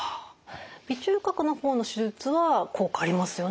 鼻中隔の方の手術は効果ありますよね？